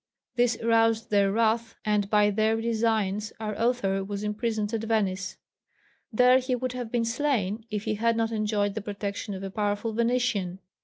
This roused their wrath, and by their designs our author was imprisoned at Venice. There he would have been slain, if he had not enjoyed the protection of a powerful Venetian.